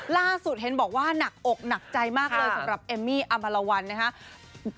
ร่าสุดเห็นบอกว่าหนักอกหนักใจมากเลยขอแอมมี่อำารวัลนะครับ